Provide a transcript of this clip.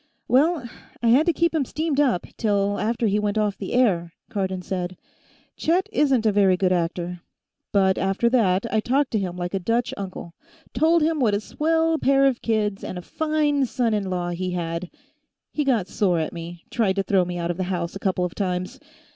"Well, I had to keep him steamed up, till after he went off the air," Cardon said. "Chet isn't a very good actor. But after that, I talked to him like a Dutch uncle. Told him what a swell pair of kids and a fine son in law he had. He got sore at me. Tried to throw me out of the house, a couple of times.